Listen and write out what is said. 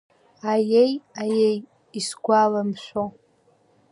Аиеи, аиеи, исгәаламшәо…